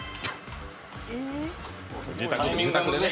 自宅でね。